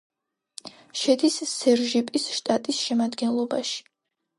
შედის სერჟიპის შტატის შემადგენლობაში.